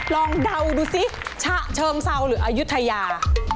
เดาดูสิฉะเชิงเซาหรืออายุทยา